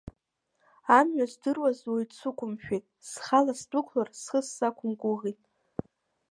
Амҩа здыруаз уаҩы дсықәымшәеит, схала сдәықәлар, схы сақәымгәыӷит.